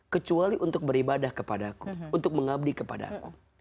kecuali untuk beribadah kepada aku untuk mengabdi kepada aku